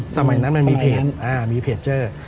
สมัยนั้นมันมีเพจเจอ